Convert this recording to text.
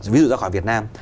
ví dụ ra khỏi việt nam